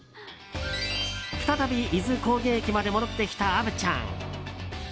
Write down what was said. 再び伊豆高原駅まで戻ってきた虻ちゃん。